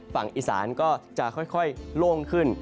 ฝั่งอีสานก็จะค่อยโล่งขึ้น